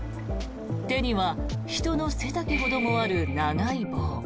手には人の背丈ほどもある長い棒。